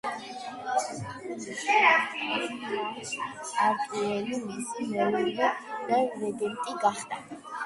დედამისი, დედა-დედოფალი ბლანშ არტუელი მისი მეურვე და რეგენტი გახდა.